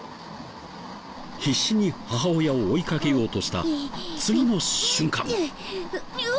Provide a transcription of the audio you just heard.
必死に母親を追いかけようとした次の瞬間。